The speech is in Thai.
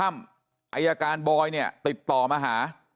อายการบอยติดต่อมาหา